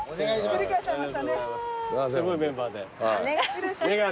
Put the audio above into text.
すごいメンバーで。